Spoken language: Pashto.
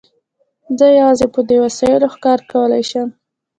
زه یوازې په دې وسایلو ښکار کولای شم.